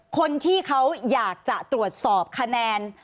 คนที่เขาอยากจะตรวจสอบคะแนน